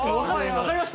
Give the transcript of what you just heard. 分かりました？